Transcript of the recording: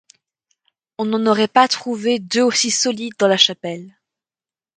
On n'en aurait pas trouvé deux aussi solides dans la Chapelle.